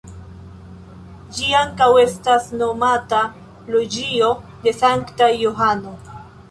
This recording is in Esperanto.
Ĝi ankaŭ estas nomata Loĝio de Sankta Johano.